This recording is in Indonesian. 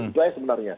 itu aja sebenarnya